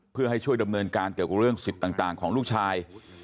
เพื่อให้ช่วยดำเนินการเกี่ยวกับเรื่องสิทธิ์ต่างของลูกชาย